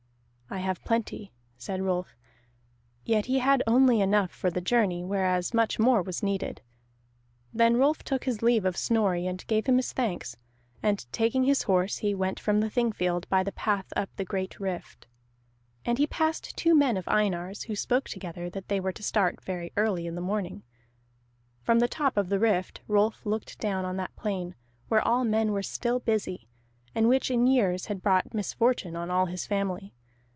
"I have plenty," said Rolf; yet he had only enough for the journey, whereas much more was needed. Then Rolf took his leave of Snorri, and gave him his thanks; and taking his horse, he went from the Thingfield by the path up the Great Rift. And he passed two men of Einar's, who spoke together that they were to start very early in the morning. From the top of the Rift Rolf looked down on that plain where all men were still busy, and which in years had brought misfortune on all his family.